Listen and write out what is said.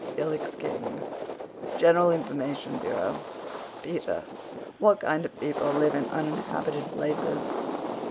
FELIX KING. GENERAL INFORMATION BUREAU P t r. What kind of people live in uninhabited places?